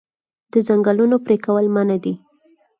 د ځنګلونو پرې کول منع دي.